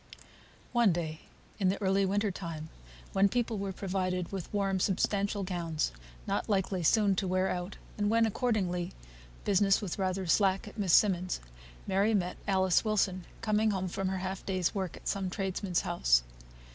One day, in the early winter time, when people were provided with warm substantial gowns, not likely soon to wear out, and when, accordingly, business was rather slack at Miss Simmonds', Mary met Alice Wilson, coming home from her half day's work at some tradesman's house.